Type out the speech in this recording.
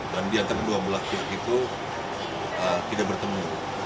dan di antara kedua belah pihak itu tidak bertemu